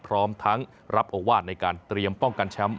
พร้อมทั้งรับโอวาสในการเตรียมป้องกันแชมป์